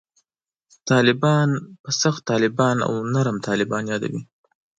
طالبان په «سخت طالبان» او «نرم طالبان» یادوي.